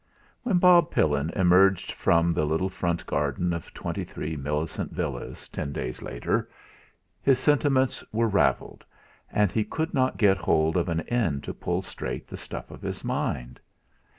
III 1 When Bob Pillin emerged from the little front garden of 23, Millicent Villas ten days later, his sentiments were ravelled, and he could not get hold of an end to pull straight the stuff of his mind.